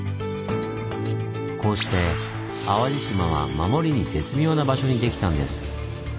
こうして淡路島は守りに絶妙な場所にできたんです。